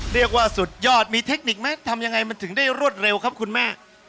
เรียกว่าสุดยอดมีเทคนิคไหมทำยังไงมันถึงได้รวดเร็วครับคุณแม่